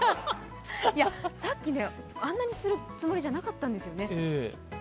さっき、あんなにするつもりじゃなかったんですよね。